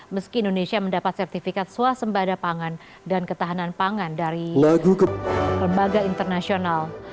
meski indonesia mendapat sertifikat swasembada pangan dan ketahanan pangan dari lembaga internasional